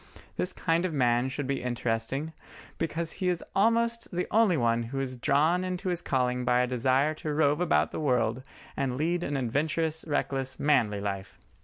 This kind of man should be interesting, because he is almost the only one who is drawn into his calling by a desire to rove about the world and lead an adventurous, reckless, manly life.